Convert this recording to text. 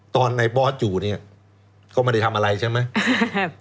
ตอนในบอสอยู่เนี่ยก็ไม่ได้ทำอะไรใช่ไหม